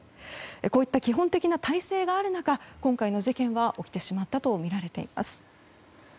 こういった基本的な体制がある中今回の事件は起きてしまったとみられています。